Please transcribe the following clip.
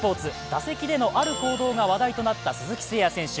打席でのある行動が話題となった鈴木誠也選手。